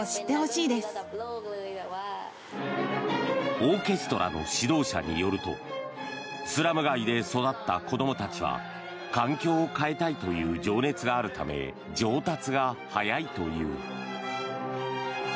オーケストラの指導者によるとスラム街で育った子どもたちは環境を変えたいという情熱があるため上達が早いという。